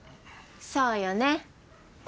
そうよね！